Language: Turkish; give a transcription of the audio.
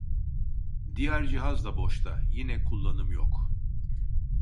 Diğer cihaz da boşta, yine kullanım yok